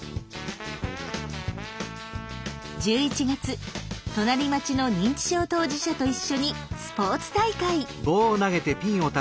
１１月隣町の認知症当事者と一緒にスポーツ大会！